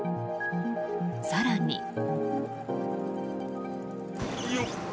更に。